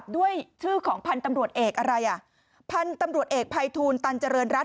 ด้วยชื่อของพันธุ์ตำรวจเอกอะไรอ่ะพันธุ์ตำรวจเอกภัยทูลตันเจริญรัฐ